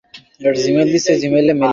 ছেড়ে দিস না!